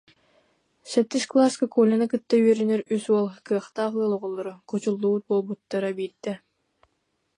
Сэттис кылааска Коляны кытта үөрэнэр үс уол, кыахтаах ыал оҕолоро, кучуллубут буолбуттара, биирдэрэ